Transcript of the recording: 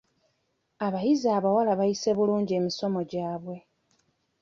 Abayizi abawala baayise bulungi emisomo gyabwe.